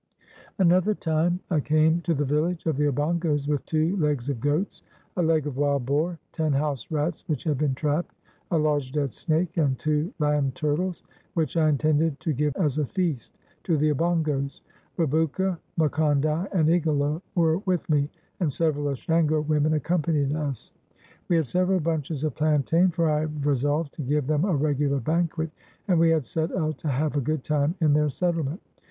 Another time I came to the village of the Obongos with two legs of goats, a leg of wild boar, ten house rats which had been trapped, a large dead snake, and two land turtles, which I intended to give as a feast to the Obongos. Rebouka, Macondai, and Igalo were with me, and several Ashango women accompanied us. We had several bunches of plantain, for I had resolved to give them a regular banquet, and we had set out to have a good time in their settlement.